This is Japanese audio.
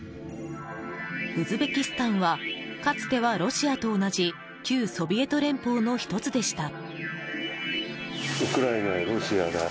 ウズベキスタンはかつてはロシアと同じ旧ソビエト連邦の１つでした。